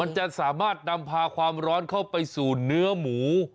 จะสามารถนำพาความร้อนเข้าไปสู่เนื้อหมู